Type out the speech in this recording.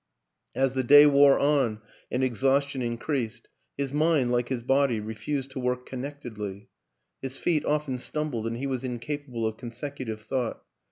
As the day wore on and exhaustion increased, his mind, like his body, re fused to work connectedly ; his feet often stumbled and he was incapable of consecutive thought.